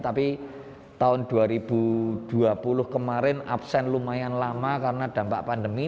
tapi tahun dua ribu dua puluh kemarin absen lumayan lama karena dampak pandemi